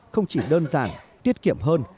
không chỉ đơn giản tiết kiệm hơn